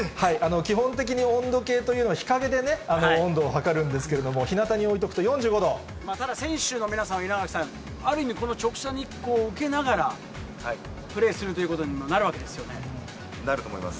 基本的に温度計というのは、日陰でね、温度を測るんですけれども、ただ選手の皆さん、稲垣さん、ある意味、この直射日光を受けながら、プレーするということにもなるわなると思います。